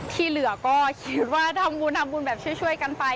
ที่เหลือก็เคียนว่าทำบุญเช่นช่วยกันไป